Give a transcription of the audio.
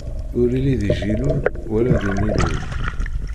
Ur illi di jillul, wala di millul.